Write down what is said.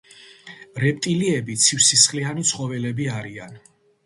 რეპტილიები ცივსისხლიანი ცხოველები არიან.